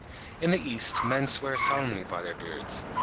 In the East men swear solemnly by their beards.